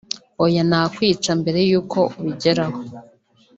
oya nakwica mbere y’uko ubigeraho